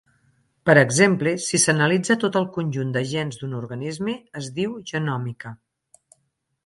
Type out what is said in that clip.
Per exemple, si s'analitza tot el conjunt de gens d'un organisme, es diu genòmica.